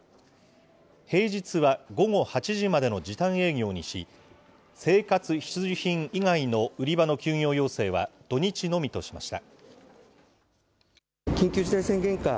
平日は午後８時までの時短営業にし、生活必需品以外の売り場の休業要請は土日のみとしました。